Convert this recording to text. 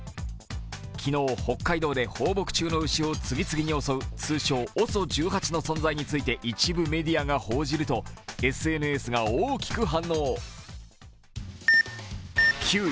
昨日、北海道で放牧中の牛を次々襲う通称ＯＳＯ１８の存在について一部メディアが報じるとＳＮＳが大きく反応。